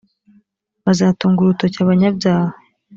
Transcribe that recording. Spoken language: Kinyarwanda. bazatunga urutoki abanyabyaha